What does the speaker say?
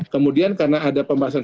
kemudian karena ada pembahasan